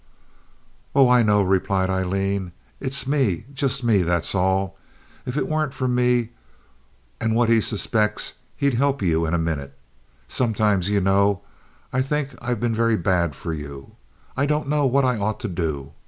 "Oh, I know," replied Aileen. "It's me, just me, that's all. If it weren't for me and what he suspects he'd help you in a minute. Sometimes, you know, I think I've been very bad for you. I don't know what I ought to do.